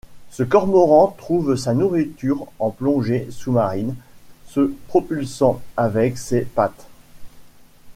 Ce cormoran trouve sa nourriture en plongée sous-marine, se propulsant avec ses pattes.